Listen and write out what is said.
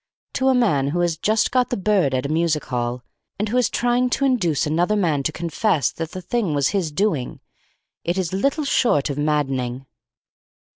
To a man who has just got the bird at a music hall, and who is trying to induce another man to confess that the thing was his doing, it is little short of maddening.